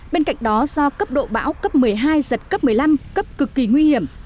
bên cạnh đó do cấp độ bão cấp một mươi hai giật cấp một mươi năm cấp cực kỳ nguy hiểm